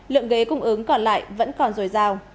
lượng ghế cung ứng còn lại vẫn còn dồi dào